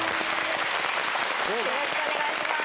よろしくお願いします。